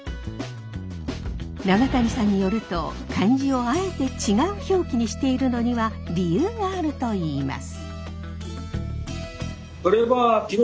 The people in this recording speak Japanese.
長谷さんによると漢字をあえて違う表記にしているのには理由があるといいます。